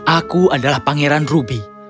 aku adalah pangeran rubi